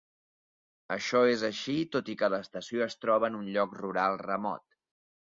Això és així tot i que l'estació es troba en un lloc rural remot.